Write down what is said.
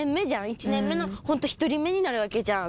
１年目のホント１人目になるわけじゃん？